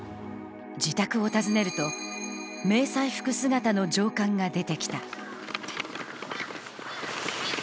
自宅を訪ねると、迷彩服姿の上官が出てきた。